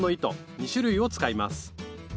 ２種類を使います。